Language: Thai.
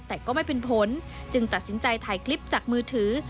แต่ก็ไม่เป็นผลจึงตัดสินใจถ่ายคลิปจากมือถือ